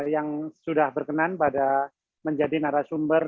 yang sudah berkenan pada menjadi narasumber